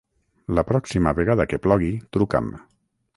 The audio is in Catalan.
La pròxima vegada que plogui, truca'm.